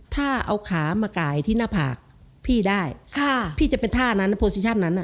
ถ้าเอาขามากายที่หน้าผากพี่ได้ค่ะพี่จะเป็นท่านั้นโปรซิชั่นนั้นอ่ะ